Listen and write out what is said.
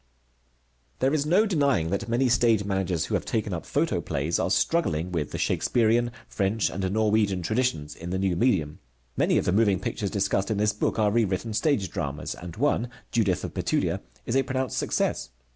There is no denying that many stage managers who have taken up photoplays are struggling with the Shakespearian French and Norwegian traditions in the new medium. Many of the moving pictures discussed in this book are rewritten stage dramas, and one, Judith of Bethulia, is a pronounced success.